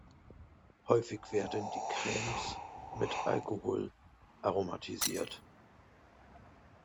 Häufig werden die Cremes mit Alkohol aromatisiert.